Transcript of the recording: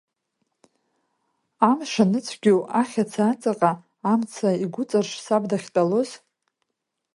Амш аныцәгьоу ахьаца аҵаҟа, амца игәыҵарш саб дахьтәалоз.